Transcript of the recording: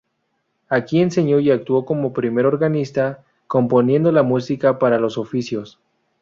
Aquí enseñó y actuó como primer organista, componiendo la música para los oficios.